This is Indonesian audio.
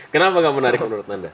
kenapa gak menarik menurut anda